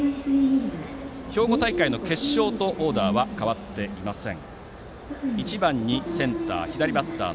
兵庫大会の決勝とオーダーは変わっていません。